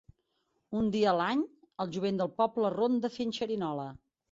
Un dia a l'any, el jovent del poble ronda fent xerinola.